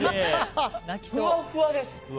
ふわっふわです。